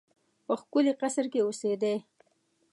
په ښکلي قصر کې اوسېدی.